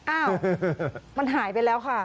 อ้าวมันหายไปแล้วค่ะ